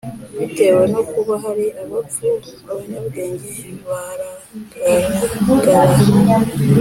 bitewe no kuba hari abapfu, abanyabwenge baragaragara